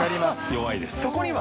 弱いです。